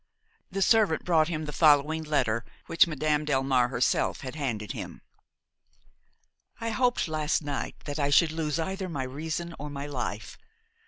The servant brought him the following letter which Madame Delmare herself had handed him: "I hoped last night that I should lose either my reason or my life.